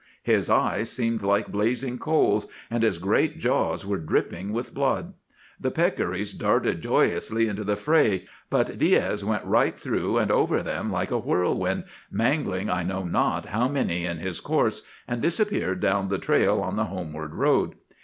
His eyes seemed like blazing coals, and his great jaws were dripping with blood. The peccaries darted joyously into the fray, but Diaz went right through and over them like a whirlwind, mangling I know not how many in his course, and disappeared down the trail on the homeward road.